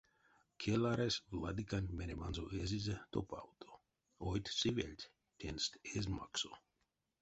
Келаресь владыканть мереманзо эзизе топавто: ойть-сывельть тенст эзь максо.